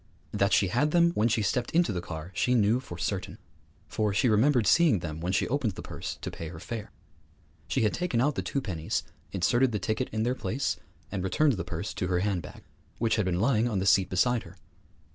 That she had them when she stepped into the car she knew for certain, for she remembered seeing them when she opened the purse to pay her fare. She had taken out the two pennies, inserted the ticket in their place, and returned the purse to her handbag, which had been lying on the seat beside her.